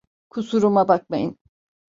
Kusuruma bakmayın…